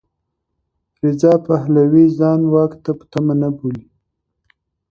رضا پهلوي ځان واک ته په تمه نه بولي.